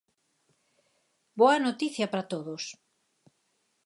Boa noticia para todos.